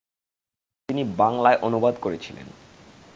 তিনি বাংলায় অনুবাদ করেছিলেন।